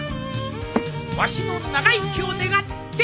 わしの長生きを願って乾杯！